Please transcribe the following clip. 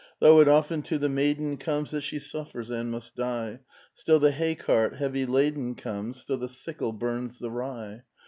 ' Though it often to the maiden comes That she suffers and must sigh, Still the hay cart heavy laden comes. Still the sickle burns the rye.